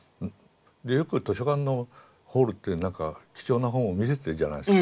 でよく図書館のホールってなんか貴重な本を見せてるじゃないですか。